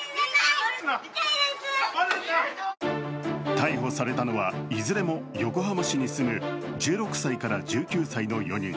逮捕されたのは、いずれも横浜市に住む１６歳から１９歳の４人。